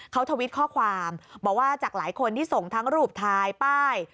เขาทวิตข้อความบอกว่าจากหลายคนที่ส่งทั้งรูปทายป้าย